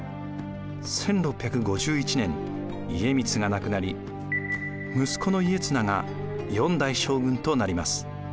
１６５１年家光が亡くなり息子の家綱が４代将軍となります。